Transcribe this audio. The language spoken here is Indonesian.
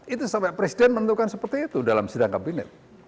itu sampai presiden menentukan seperti itu dalam sidang kabinet